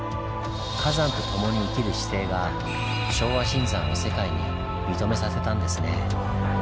火山と共に生きる姿勢が昭和新山を世界に認めさせたんですね。